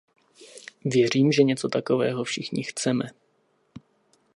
Věřím, že něco takového všichni chceme.